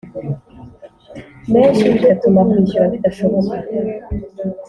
menshi, bigatuma kwishyura bidashoboka.